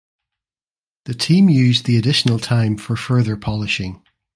The team used the additional time for further polishing.